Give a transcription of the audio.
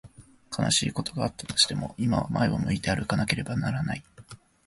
悲しいことがあったとしても、今は前を向いて歩かなければならない。